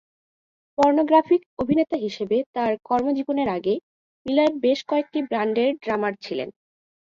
Pornographic অভিনেতা হিসাবে তার কর্মজীবনের আগে, মিলার বেশ কয়েকটি ব্যান্ডের ড্রামার ছিলেন।